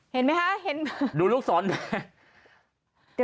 เห็นไหมคะดูลูกศรแม่